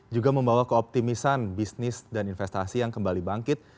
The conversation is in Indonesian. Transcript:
juga membawa keoptimisan bisnis dan investasi yang kembali bangkit